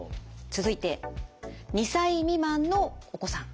続いて２歳未満のお子さん。